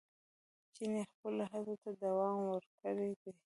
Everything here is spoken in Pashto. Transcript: چیني خپلو هڅو ته دوام ورکړی دی.